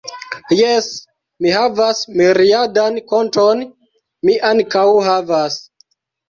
Jes, mi havas miriadan konton, mi ankaŭ havas